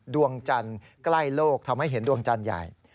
ดวงจันทร์ใกล้โลกทำให้เห็นดวงจันทร์ใหญ่